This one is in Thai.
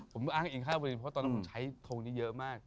ก็อ้างอิงคาร์บอลดินเพราะตอนนั้นมันใช้ทรงนี้เยอะมาก